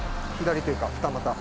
左というか２股。